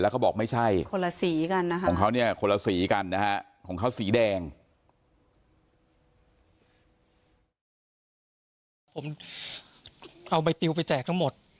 ผมเอาบริวไปแจกทั้งหมด